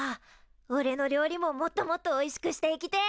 おれの料理ももっともっとおいしくしていきてえ！